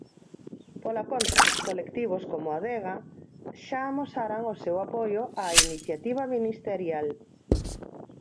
Pola contra, colectivos como Adega xa amosaran o seu apoio á iniciativa ministerial.